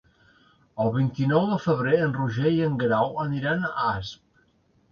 El vint-i-nou de febrer en Roger i en Guerau aniran a Asp.